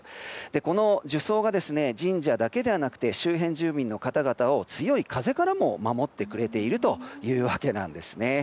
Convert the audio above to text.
この樹叢が神社だけではなくて周辺住民の方々を強い風からも守ってくれているというわけなんですね。